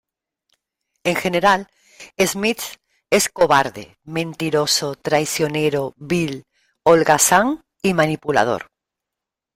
En general, Smith es cobarde, mentiroso, traicionero, vil, holgazán y manipulador.